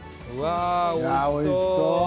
おいしそう。